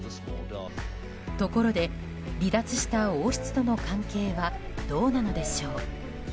ところで、離脱した王室との関係はどうなのでしょう？